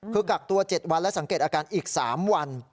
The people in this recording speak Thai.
คือกักตัว๗วันและสังเกตอาการอีก๓วัน